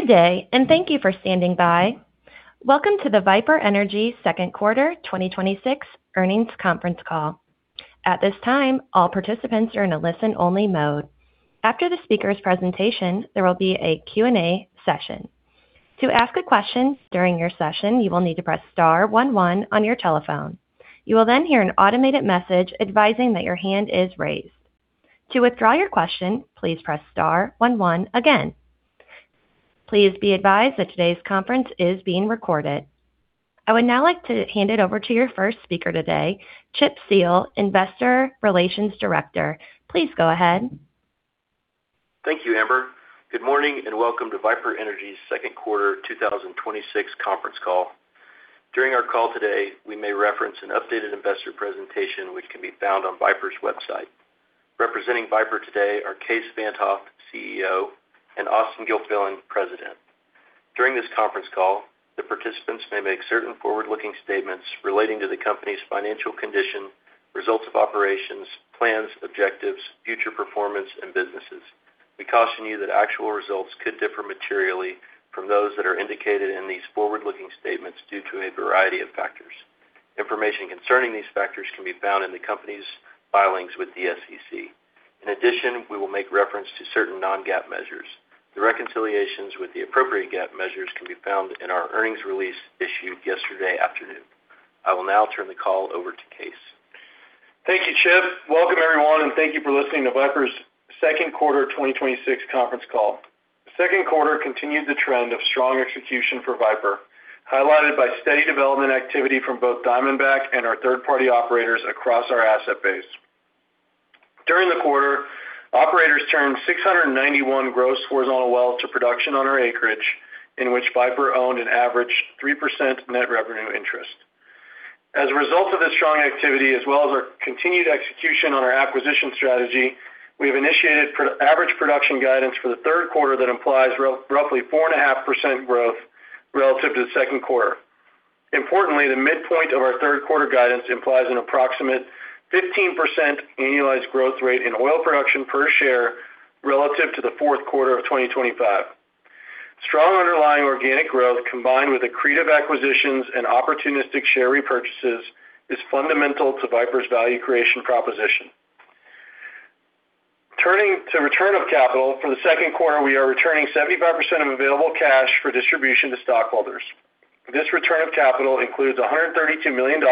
Good day, and thank you for standing by. Welcome to the Viper Energy second quarter 2026 earnings conference call. At this time, all participants are in a listen-only mode. After the speaker's presentation, there will be a Q&A session. To ask a question during your session, you will need to press star one one on your telephone. You will then hear an automated message advising that your hand is raised. To withdraw your question, please press star one one again. Please be advised that today's conference is being recorded. I would now like to hand it over to your first speaker today, Chip Seale, Investor Relations Director. Please go ahead. Thank you, Amber. Good morning and welcome to Viper Energy's second quarter 2026 conference call. During our call today, we may reference an updated investor presentation which can be found on Viper's website. Representing Viper today are Kaes Van't Hof, CEO, and Austen Gilfillian, President. During this conference call, the participants may make certain forward-looking statements relating to the company's financial condition, results of operations, plans, objectives, future performance, and businesses. We caution you that actual results could differ materially from those that are indicated in these forward-looking statements due to a variety of factors. Information concerning these factors can be found in the company's filings with the SEC. In addition, we will make reference to certain non-GAAP measures. The reconciliations with the appropriate GAAP measures can be found in our earnings release issued yesterday afternoon. I will now turn the call over to Kaes. Thank you, Chip. Welcome everyone, and thank you for listening to Viper's second quarter 2026 conference call. The second quarter continued the trend of strong execution for Viper, highlighted by steady development activity from both Diamondback and our third-party operators across our asset base. During the quarter, operators turned 691 gross horizontal wells to production on our acreage, in which Viper owned an average 3% net revenue interest. As a result of this strong activity, as well as our continued execution on our acquisition strategy, we have initiated average production guidance for the third quarter that implies roughly 4.5% growth relative to the second quarter. Importantly, the midpoint of our third quarter guidance implies an approximate 15% annualized growth rate in oil production per share relative to the fourth quarter of 2025. Strong underlying organic growth, combined with accretive acquisitions and opportunistic share repurchases, is fundamental to Viper's value creation proposition. Turning to return of capital, for the second quarter, we are returning 75% of available cash for distribution to stockholders. This return of capital includes $132 million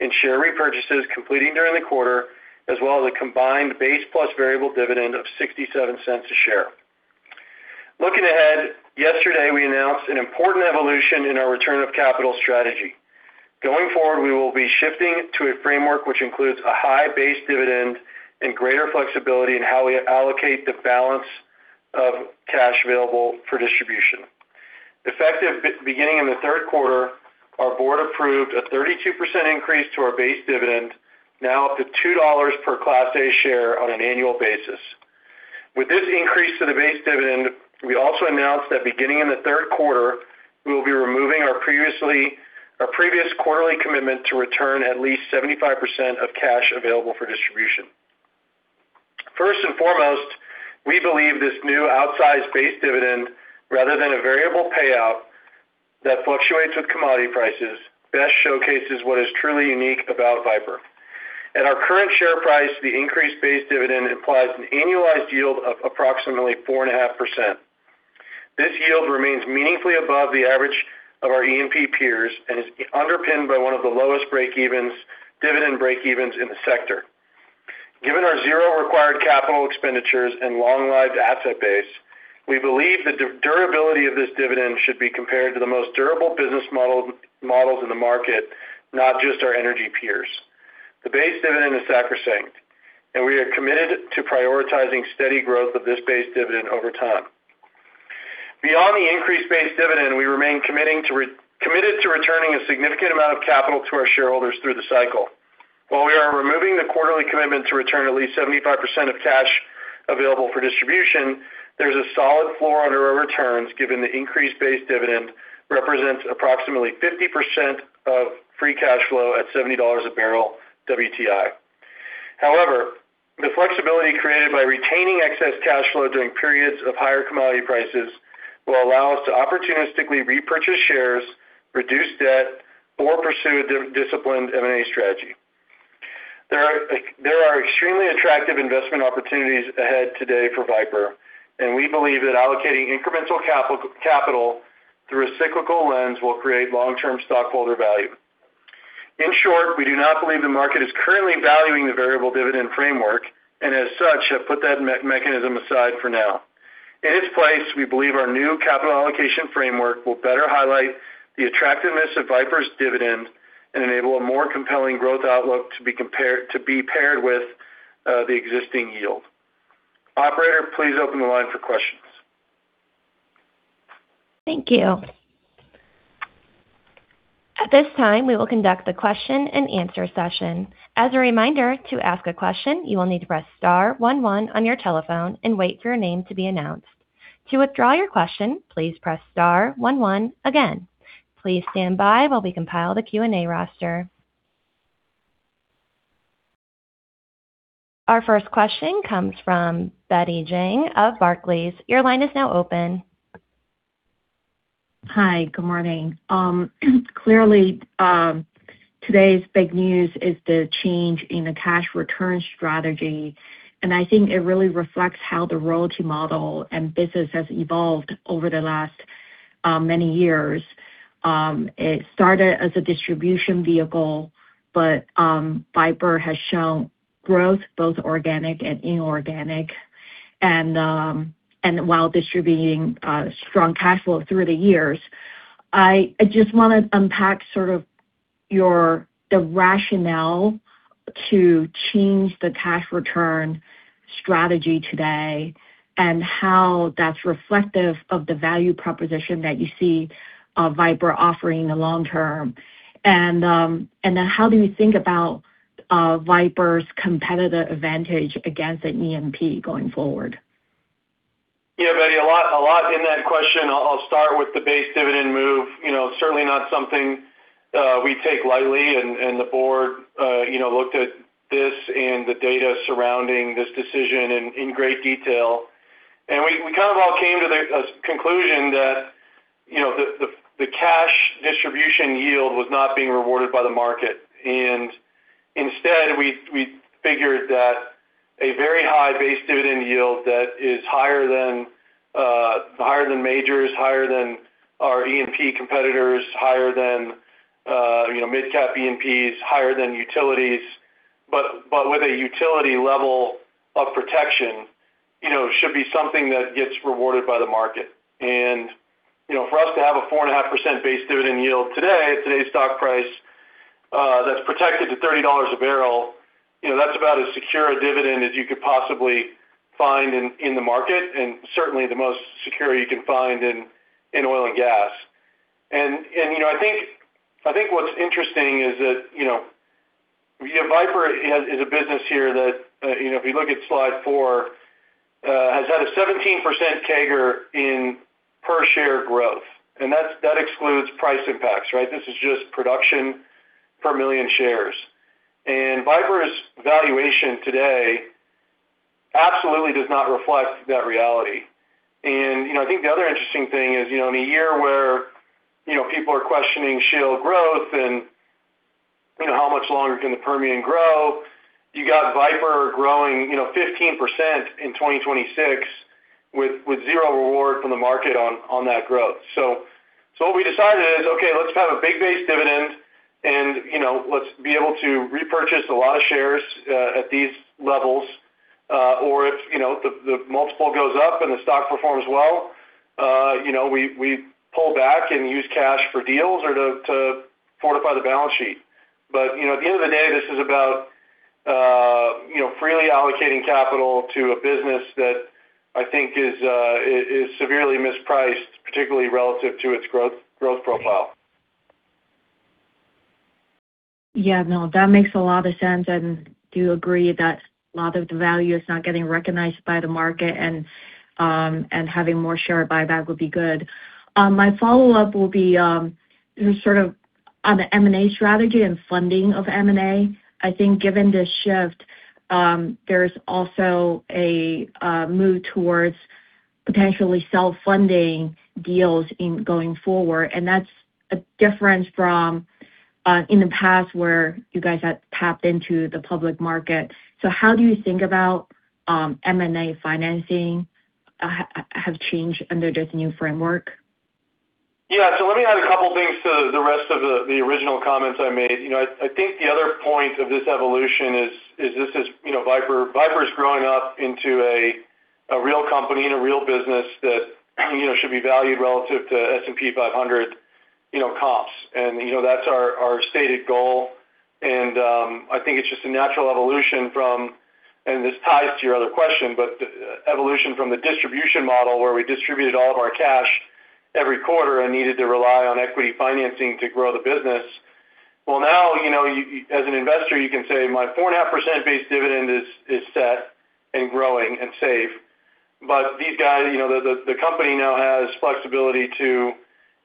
in share repurchases completing during the quarter, as well as a combined base plus variable dividend of $0.67 a share. Looking ahead, yesterday we announced an important evolution in our return of capital strategy. Going forward, we will be shifting to a framework which includes a high base dividend and greater flexibility in how we allocate the balance of cash available for distribution. Effective beginning in the third quarter, our board approved a 32% increase to our base dividend, now up to $2 per Class A share on an annual basis. With this increase to the base dividend, we also announced that beginning in the third quarter, we will be removing our previous quarterly commitment to return at least 75% of cash available for distribution. First and foremost, we believe this new outsized base dividend, rather than a variable payout that fluctuates with commodity prices, best showcases what is truly unique about Viper. At our current share price, the increased base dividend implies an annualized yield of approximately 4.5%. This yield remains meaningfully above the average of our E&P peers and is underpinned by one of the lowest dividend breakevens in the sector. Given our zero required capital expenditures and long-lived asset base, we believe the durability of this dividend should be compared to the most durable business models in the market, not just our energy peers. The base dividend is sacrosanct, and we are committed to prioritizing steady growth of this base dividend over time. Beyond the increased base dividend, we remain committed to returning a significant amount of capital to our shareholders through the cycle. While we are removing the quarterly commitment to return at least 75% of cash available for distribution, there's a solid floor under our returns, given the increased base dividend represents approximately 50% of free cash flow at $70 a barrel WTI. However, the flexibility created by retaining excess cash flow during periods of higher commodity prices will allow us to opportunistically repurchase shares, reduce debt, or pursue a disciplined M&A strategy. There are extremely attractive investment opportunities ahead today for Viper, and we believe that allocating incremental capital through a cyclical lens will create long-term stockholder value. In short, we do not believe the market is currently valuing the variable dividend framework, and as such, have put that mechanism aside for now. In its place, we believe our new capital allocation framework will better highlight the attractiveness of Viper's dividend and enable a more compelling growth outlook to be paired with the existing yield. Operator, please open the line for questions. Thank you. At this time, we will conduct the question and answer session. As a reminder, to ask a question, you will need to press star one one on your telephone and wait for your name to be announced. To withdraw your question, please press star one one again. Please stand by while we compile the Q&A roster. Our first question comes from Betty Jiang of Barclays. Your line is now open. Hi. Good morning. Clearly, today's big news is the change in the cash return strategy. I think it really reflects how the royalty model and business has evolved over the last many years. It started as a distribution vehicle. Viper has shown growth, both organic and inorganic, and while distributing strong cash flow through the years. I just want to unpack sort of the rationale to change the cash return strategy today. How that's reflective of the value proposition that you see Viper offering long term. How do you think about Viper's competitive advantage against an E&P going forward? Yeah, Betty, a lot in that question. I'll start with the base dividend move. Certainly not something we take lightly. The Board looked at this and the data surrounding this decision in great detail. We kind of all came to the conclusion that the cash distribution yield was not being rewarded by the market. Instead, we figured that a very high base dividend yield that is higher than majors, higher than our E&P competitors, higher than midcap E&Ps, higher than utilities, but with a utility level of protection, should be something that gets rewarded by the market. For us to have a 4.5% base dividend yield today, at today's stock price, that's protected to $30 a barrel, that's about as secure a dividend as you could possibly find in the market, and certainly the most secure you can find in oil and gas. I think what's interesting is that Viper is a business here that, if you look at slide four, has had a 17% CAGR in per share growth. That excludes price impacts, right? This is just production per million shares. Viper's valuation today absolutely does not reflect that reality. I think the other interesting thing is, in a year where people are questioning shale growth and how much longer can the Permian grow, you got Viper growing 15% in 2026 with zero reward from the market on that growth. What we decided is, okay, let's have a big base dividend and let's be able to repurchase a lot of shares at these levels. If the multiple goes up and the stock performs well, we pull back and use cash for deals or to fortify the balance sheet. At the end of the day, this is about freely allocating capital to a business that I think is severely mispriced, particularly relative to its growth profile. Yeah, no, that makes a lot of sense, and do agree that a lot of the value is not getting recognized by the market, and having more share buyback would be good. My follow-up will be sort of on the M&A strategy and funding of M&A. I think given the shift, there's also a move towards potentially self-funding deals in going forward, and that's a difference from in the past where you guys had tapped into the public market. How do you think about M&A financing have changed under this new framework? Yeah. Let me add a couple things to the rest of the original comments I made. I think the other point of this evolution is Viper's growing up into a real company and a real business that should be valued relative to S&P 500 comps. That's our stated goal, and I think it's just a natural evolution from the distribution model where we distributed all of our cash every quarter and needed to rely on equity financing to grow the business. Well, now, as an investor, you can say my 4.5% base dividend is set and growing and safe. The company now has flexibility to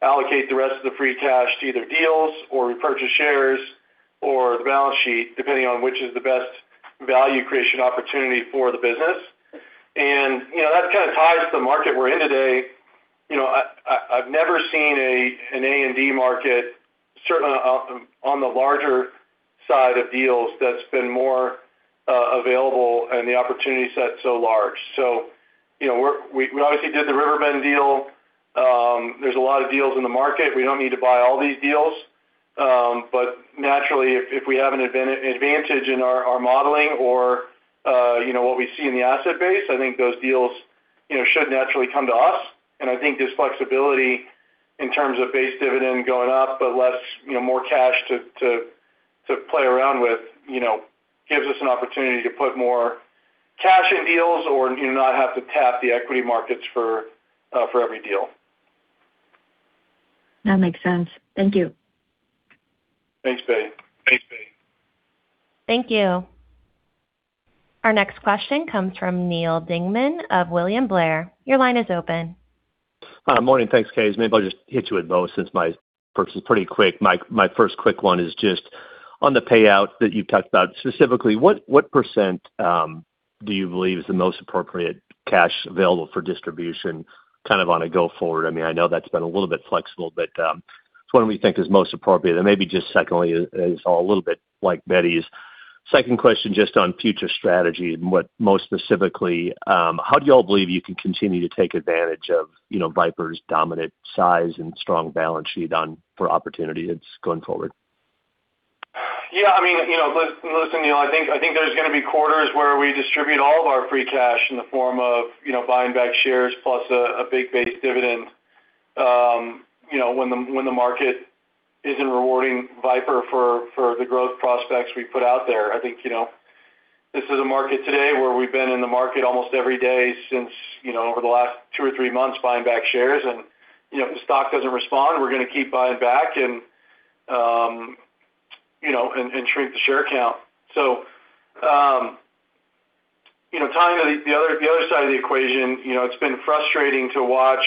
allocate the rest of the free cash to either deals or repurchase shares or the balance sheet, depending on which is the best value creation opportunity for the business. That kind of ties to the market we're in today. I've never seen an A&D market, certainly on the larger side of deals, that's been more available and the opportunity set so large. We obviously did the Riverbend deal. There's a lot of deals in the market. We don't need to buy all these deals. Naturally, if we have an advantage in our modeling or what we see in the asset base, I think those deals should naturally come to us. I think this flexibility in terms of base dividend going up, but more cash to play around with gives us an opportunity to put more cash in deals or do not have to tap the equity markets for every deal. That makes sense. Thank you. Thanks, Betty. Thank you. Our next question comes from Neal Dingmann of William Blair. Your line is open. Morning. Thanks, guys. Maybe I'll just hit you with both since my first is pretty quick. My first quick one is just on the payout that you've talked about. Specifically, what percent do you believe is the most appropriate cash available for distribution on a go forward? I know that's been a little bit flexible, but what do we think is most appropriate? Maybe just secondly is a little bit like Betty's second question just on future strategy and what most specifically, how do you all believe you can continue to take advantage of Viper's dominant size and strong balance sheet for opportunity going forward? Yeah. Listen, I think there's going to be quarters where we distribute all of our free cash in the form of buying back shares plus a big base dividend. When the market isn't rewarding Viper for the growth prospects we put out there, I think this is a market today where we've been in the market almost every day since over the last two or three months buying back shares. If the stock doesn't respond, we're going to keep buying back and shrink the share count. Tying to the other side of the equation, it's been frustrating to watch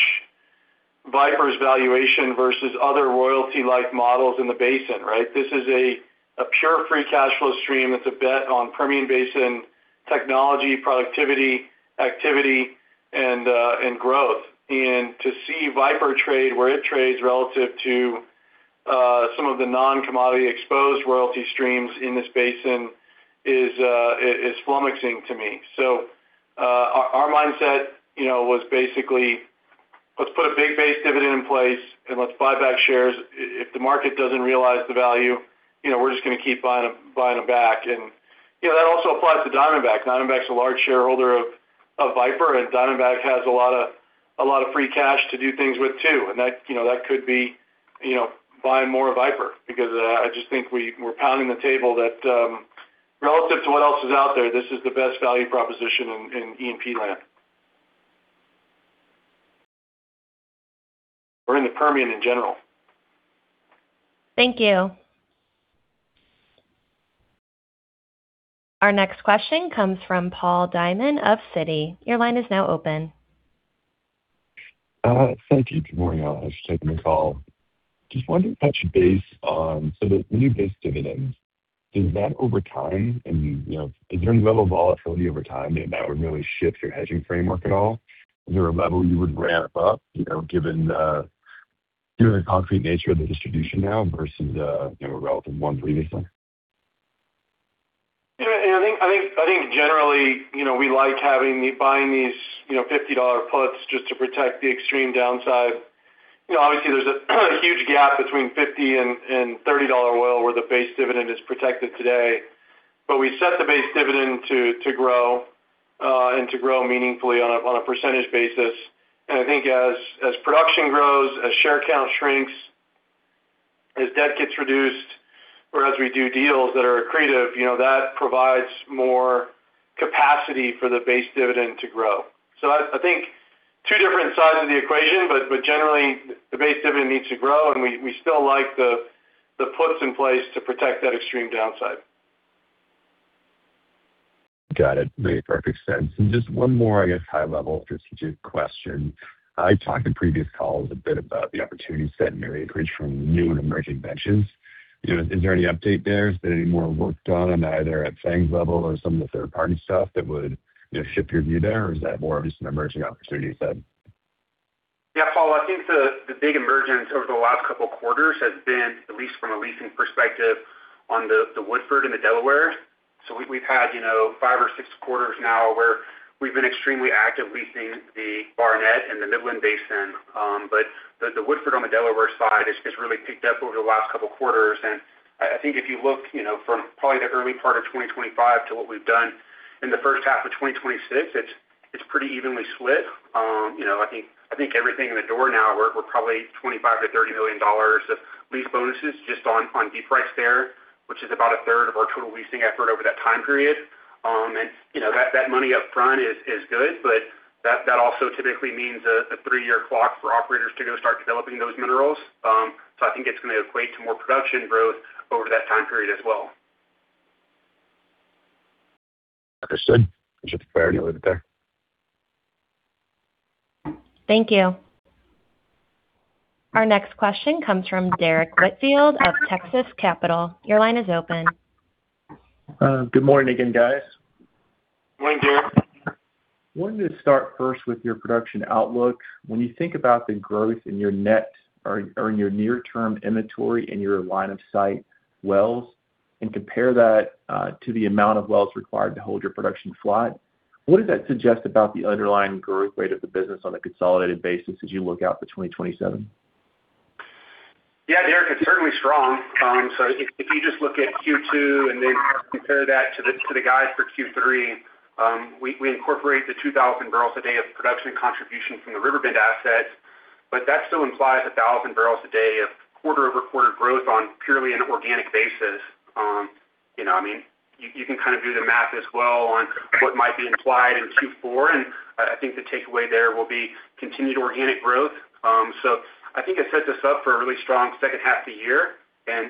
Viper's valuation versus other royalty-like models in the basin, right? This is a pure free cash flow stream. It's a bet on Permian Basin technology, productivity, activity, and growth. To see Viper trade where it trades relative to some of the non-commodity exposed royalty streams in this basin is flummoxing to me. Our mindset was basically, let's put a big base dividend in place, and let's buy back shares. If the market doesn't realize the value, we're just going to keep buying them back. That also applies to Diamondback Energy. Diamondback Energy's a large shareholder of Viper, and Diamondback Energy has a lot of free cash to do things with, too. That could be buying more Viper, because I just think we're pounding the table that relative to what else is out there, this is the best value proposition in E&P land or in the Permian in general. Thank you. Our next question comes from Paul Diamond of Citi. Your line is now open. Thank you. Good morning. Thanks for taking the call. Just wanted to touch base on some of the new base dividends. Is that over time and is there any level of volatility over time that would really shift your hedging framework at all? Is there a level you would ramp up given the concrete nature of the distribution now versus the relative one previously? I think generally, we like buying these $50 puts just to protect the extreme downside. Obviously, there's a huge gap between $50 and $30 oil where the base dividend is protected today. We set the base dividend to grow, and to grow meaningfully on a percentage basis. I think as production grows, as share count shrinks, as debt gets reduced, or as we do deals that are accretive, that provides more capacity for the base dividend to grow. I think two different sides of the equation, but generally, the base dividend needs to grow, and we still like the puts in place to protect that extreme downside. Just one more, I guess, high level strategic question. I talked in previous calls a bit about the opportunity set and the acreage from new and emerging benches. Is there any update there? Has there been any more work done on either at Diamondback's level or some of the third-party stuff that would shift your view there? Or is that more of just an emerging opportunity set? Paul, I think the big emergence over the last couple of quarters has been, at least from a leasing perspective on the Woodford and the Delaware. We've had five or six quarters now where we've been extremely active leasing the Barnett in the Midland Basin. The Woodford on the Delaware side has really picked up over the last couple of quarters, and I think if you look from probably the early part of 2025 to what we've done in the first half of 2026, it's pretty evenly split. I think everything in the door now, we're probably $25 million-$30 million of lease bonuses just on deep rights there, which is about a third of our total leasing effort over that time period. That money up front is good, but that also typically means a three-year clock for operators to go start developing those minerals. I think it's going to equate to more production growth over that time period as well. Understood. I should have clarity with it there. Thank you. Our next question comes from Derrick Whitfield of Texas Capital. Your line is open. Good morning again, guys. Morning, Derrick. Wanted to start first with your production outlook. When you think about the growth in your near-term inventory in your line of sight wells and compare that to the amount of wells required to hold your production flat, what does that suggest about the underlying growth rate of the business on a consolidated basis as you look out to 2027? Derrick, it's certainly strong. If you just look at Q2 and then compare that to the guide for Q3, we incorporate the 2,000 bbl a day of production contribution from the Riverbend assets, but that still implies 1,000 bbl a day of quarter-over-quarter growth on purely an organic basis. You can kind of do the math as well on what might be implied in Q4, I think the takeaway there will be continued organic growth. I think it sets us up for a really strong second half of the year, I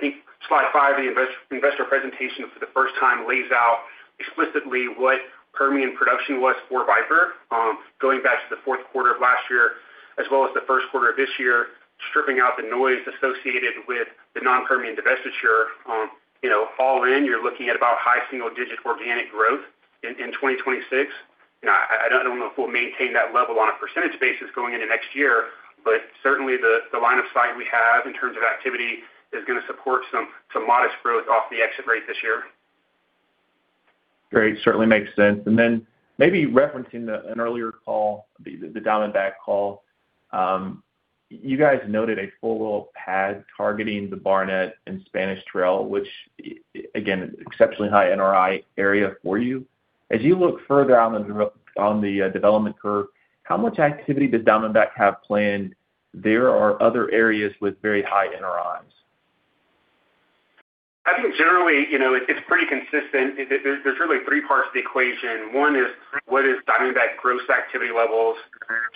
think slide five of the investor presentation for the first time lays out explicitly what Permian production was for Viper, going back to the fourth quarter of last year as well as the first quarter of this year. Stripping out the noise associated with the non-Permian divestiture. All in, you're looking at about high single-digit organic growth in 2026. I don't know if we'll maintain that level on a percentage basis going into next year, certainly the line of sight we have in terms of activity is going to support some modest growth off the exit rate this year. Great. Certainly makes sense. Maybe referencing an earlier call, the Diamondback call. You guys noted a full well pad targeting the Barnett and Spanish Trail, which again, exceptionally high NRI area for you. As you look further on the development curve, how much activity does Diamondback have planned? There are other areas with very high NRIs. I think generally, it's pretty consistent. There's really three parts to the equation. One is what is Diamondback gross activity levels,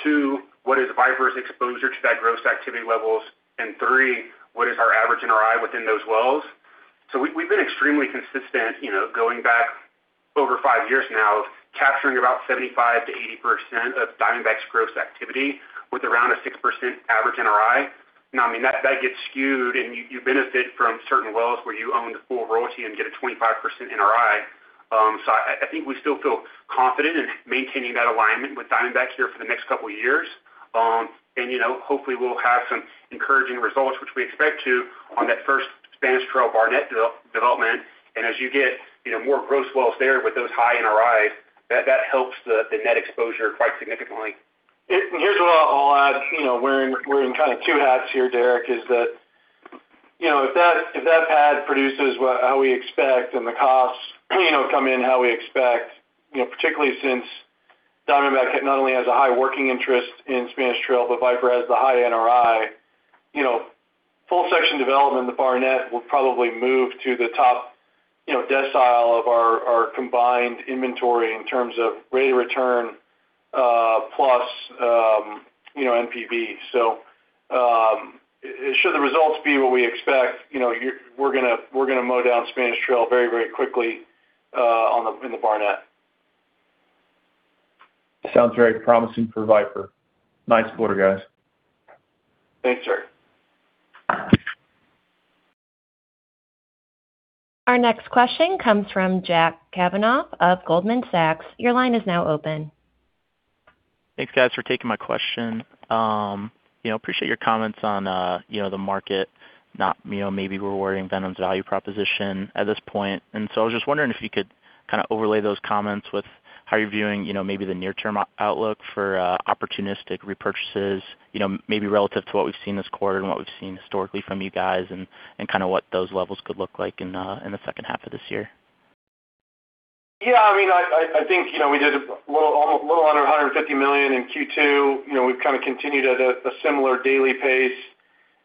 two, what is Viper's exposure to that gross activity levels, three, what is our average NRI within those wells? We've been extremely consistent, going back over five years now of capturing about 75%-80% of Diamondback's gross activity with around a 6% average NRI. That gets skewed and you benefit from certain wells where you own the full royalty and get a 25% NRI. I think we still feel confident in maintaining that alignment with Diamondback here for the next couple of years. Hopefully we'll have some encouraging results, which we expect to on that first Spanish Trail Barnett development. As you get more gross wells there with those high NRIs, that helps the net exposure quite significantly. Here's what I'll add, wearing kind of two hats here, Derrick, is that if that pad produces how we expect and the costs come in how we expect, particularly since Diamondback not only has a high working interest in Spanish Trail, but Viper has the high NRI. Full section development in the Barnett will probably move to the top decile of our combined inventory in terms of rate of return, plus NPV. Should the results be what we expect, we're going to mow down Spanish Trail very quickly in the Barnett. Sounds very promising for Viper. Nice quarter, guys. Thanks, Derrick. Our next question comes from Jack Cavanagh of Goldman Sachs. Your line is now open. Thanks guys, for taking my question. Appreciate your comments on the market, not maybe rewarding Viper's value proposition at this point. I was just wondering if you could kind of overlay those comments with how you're viewing maybe the near-term outlook for opportunistic repurchases maybe relative to what we've seen this quarter and what we've seen historically from you guys, and what those levels could look like in the second half of this year. Yeah. I think we did a little under $150 million in Q2. We've kind of continued at a similar daily pace.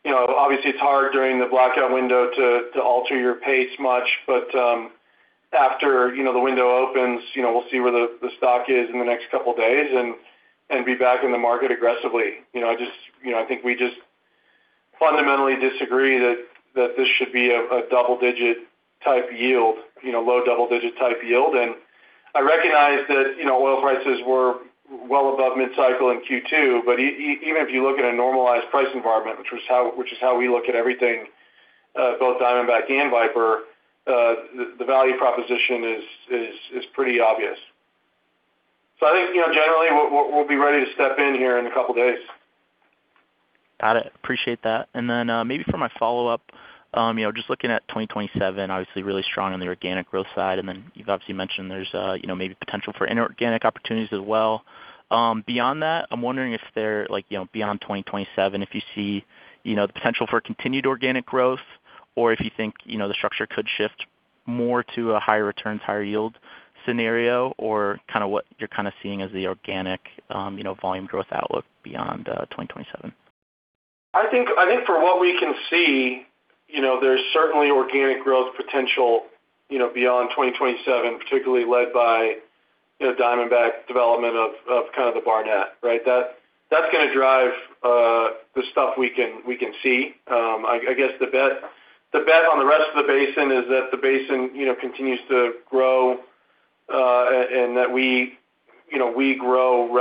Obviously, it's hard during the blackout window to alter your pace much. After the window opens, we'll see where the stock is in the next couple of days and be back in the market aggressively. I think we just fundamentally disagree that this should be a double-digit type yield, low double-digit type yield. I recognize that oil prices were well above mid-cycle in Q2. Even if you look at a normalized price environment, which is how we look at everything, both Diamondback and Viper, the value proposition is pretty obvious. I think generally, we'll be ready to step in here in a couple of days. Got it. Appreciate that. Maybe for my follow-up, just looking at 2027, obviously really strong on the organic growth side, you've obviously mentioned there's maybe potential for inorganic opportunities as well. Beyond that, I'm wondering if there, beyond 2027, if you see the potential for continued organic growth or if you think the structure could shift more to a higher returns, higher yield scenario, or what you're kind of seeing as the organic volume growth outlook beyond 2027. I think from what we can see, there's certainly organic growth potential beyond 2027, particularly led by Diamondback development of kind of the Barnett, right? That's going to drive the stuff we can see. I guess the bet on the rest of the basin is that the basin continues to grow, and that we grow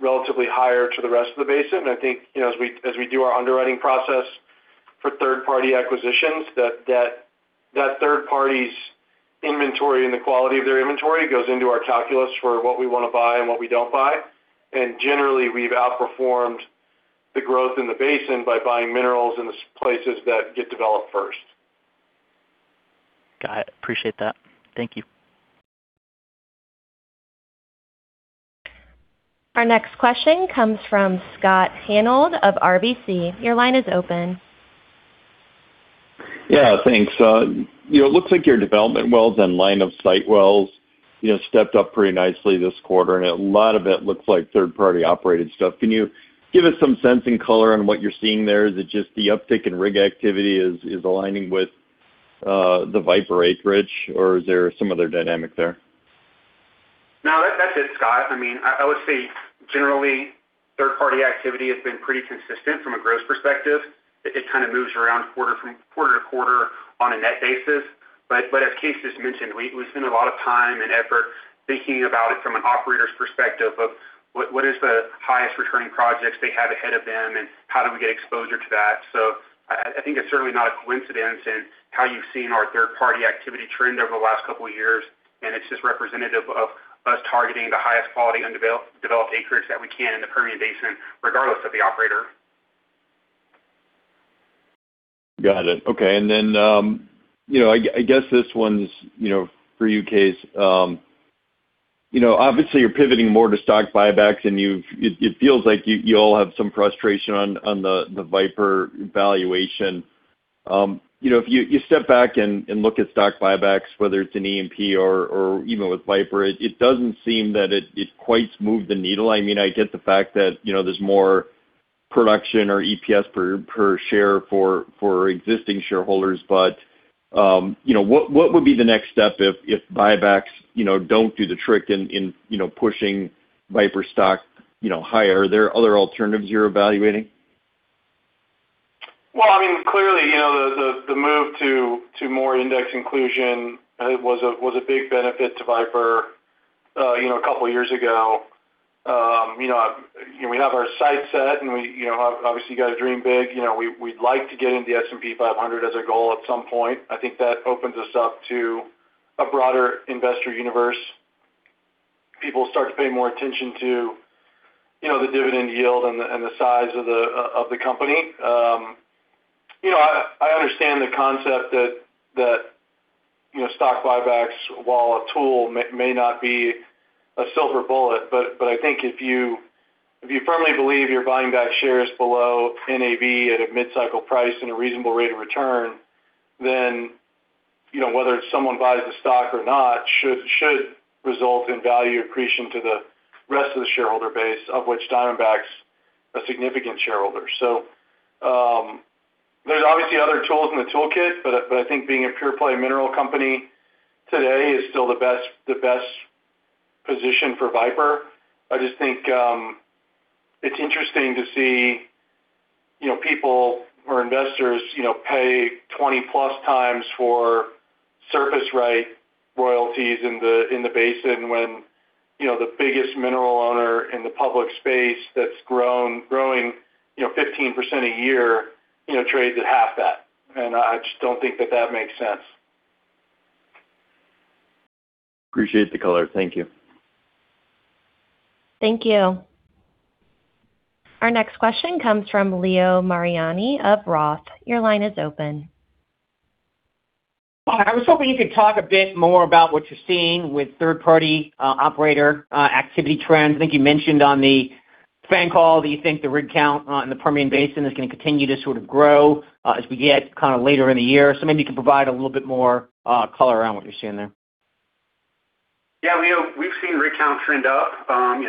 relatively higher to the rest of the basin. I think as we do our underwriting process for third-party acquisitions, that third party's inventory and the quality of their inventory goes into our calculus for what we want to buy and what we don't buy. Generally, we've outperformed the growth in the basin by buying minerals in places that get developed first. Got it. Appreciate that. Thank you. Our next question comes from Scott Hanold of RBC. Your line is open. Thanks. It looks like your development wells and line of sight wells stepped up pretty nicely this quarter, and a lot of it looks like third-party operated stuff. Can you give us some sense and color on what you're seeing there? Is it just the uptick in rig activity is aligning with the Viper acreage or is there some other dynamic there? That's it, Scott. I would say generally, third-party activity has been pretty consistent from a gross perspective. It kind of moves around quarter to quarter on a net basis. Kaes just mentioned, we spend a lot of time and effort thinking about it from an operator's perspective of what is the highest returning projects they have ahead of them, and how do we get exposure to that. I think it's certainly not a coincidence in how you've seen our third party activity trend over the last couple of years, and it's just representative of us targeting the highest quality undeveloped acreage that we can in the Permian Basin, regardless of the operator. Got it. Okay. I guess this one's for you, Kaes. Obviously, you're pivoting more to stock buybacks and it feels like you all have some frustration on the Viper valuation. If you step back and look at stock buybacks, whether it's in E&P or even with Viper, it doesn't seem that it quite has moved the needle. I get the fact that there's more production or EPS per share for existing shareholders, what would be the next step if buybacks don't do the trick in pushing Viper stock higher? Are there other alternatives you're evaluating? Clearly, the move to more index inclusion was a big benefit to Viper a couple of years ago. We have our sights set, obviously you got to dream big. We'd like to get into the S&P 500 as a goal at some point. I think that opens us up to a broader investor universe. People start to pay more attention to the dividend yield and the size of the company. I understand the concept that stock buybacks, while a tool, may not be a silver bullet. I think if you firmly believe you're buying back shares below NAV at a mid-cycle price and a reasonable rate of return, then whether someone buys the stock or not should result in value accretion to the rest of the shareholder base, of which Diamondback's a significant shareholder. There's obviously other tools in the toolkit, I think being a pure play mineral company today is still the best position for Viper. I just think it's interesting to see people or investors pay 20+ times for surface right royalties in the basin when the biggest mineral owner in the public space that's growing 15% a year trades at half that. I just don't think that that makes sense. Appreciate the color. Thank you. Thank you. Our next question comes from Leo Mariani of ROTH. Your line is open. Hi, I was hoping you could talk a bit more about what you're seeing with third-party operator activity trends. I think you mentioned on the FANG call that you think the rig count in the Permian Basin is going to continue to sort of grow as we get kind of later in the year. Maybe you can provide a little bit more color around what you're seeing there. Leo, we've seen rig count trend up.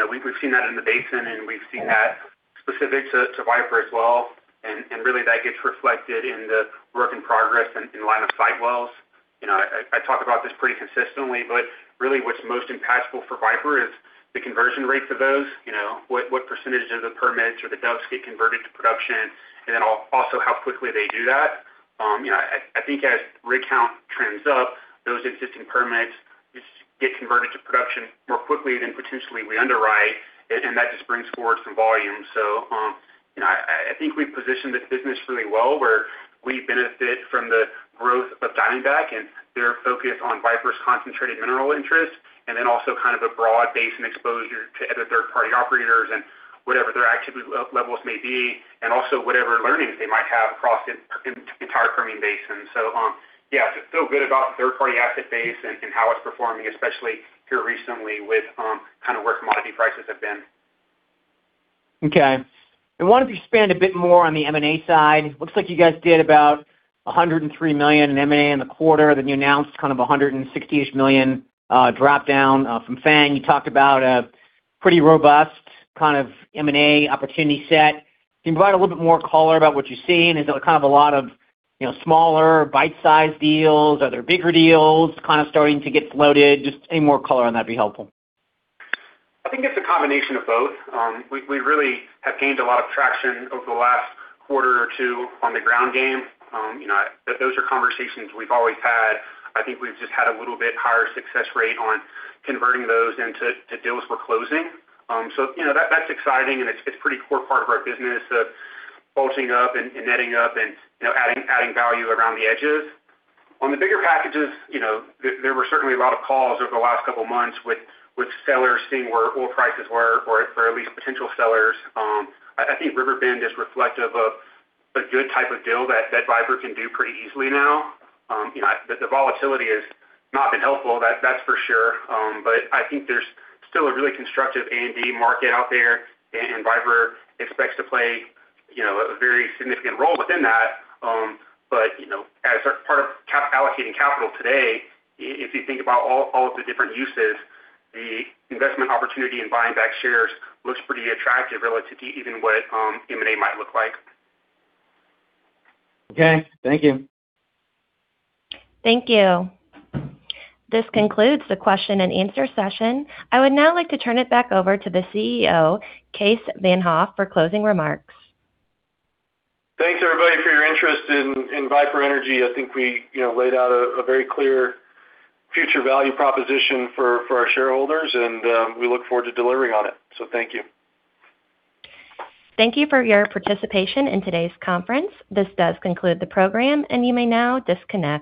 We've seen that in the basin, and we've seen that specific to Viper as well. Really, that gets reflected in the work in progress in line of sight wells. I talk about this pretty consistently, but really what's most impactful for Viper is the conversion rates of those, what percentage of the permits or the DUCs get converted to production, and then also how quickly they do that. I think as rig count trends up, those existing permits get converted to production more quickly than potentially we underwrite, and that just brings forward some volume. I think we've positioned this business really well, where we benefit from the growth of Diamondback and their focus on Viper's concentrated mineral interest, and then also kind of a broad basin exposure to other third-party operators and whatever their activity levels may be, and also whatever learnings they might have across the entire Permian Basin. Yeah, I feel good about the third-party asset base and how it's performing, especially here recently with kind of where commodity prices have been. Okay. I wonder if you expand a bit more on the M&A side. Looks like you guys did about $103 million in M&A in the quarter. You announced kind of $160-ish million drop down from FANG. You talked about a pretty robust kind of M&A opportunity set. Can you provide a little bit more color about what you're seeing? Is it kind of a lot of smaller bite-size deals? Are there bigger deals kind of starting to get floated? Just any more color on that'd be helpful. I think it's a combination of both. We really have gained a lot of traction over the last quarter or two on the ground game. Those are conversations we've always had. I think we've just had a little bit higher success rate on converting those into deals we're closing. That's exciting, and it's a pretty core part of our business of bulking up and netting up and adding value around the edges. On the bigger packages, there were certainly a lot of calls over the last couple of months with sellers seeing where oil prices were or at least potential sellers. I think Riverbend is reflective of a good type of deal that Viper can do pretty easily now. The volatility has not been helpful, that's for sure. I think there's still a really constructive A&D market out there, and Viper expects to play a very significant role within that. As part of allocating capital today, if you think about all of the different uses, the investment opportunity in buying back shares looks pretty attractive relative to even what M&A might look like. Okay. Thank you. Thank you. This concludes the question and answer session. I would now like to turn it back over to the CEO, Kaes Van't Hof, for closing remarks. Thanks everybody for your interest in Viper Energy. I think we laid out a very clear future value proposition for our shareholders, and we look forward to delivering on it. Thank you. Thank you for your participation in today's conference. This does conclude the program, and you may now disconnect.